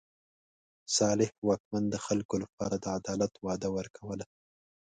صالح واکمن د خلکو لپاره د عدالت وعده ورکوله.